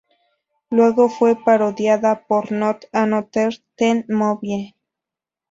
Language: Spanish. Luego fue parodiada por "Not Another Teen Movie".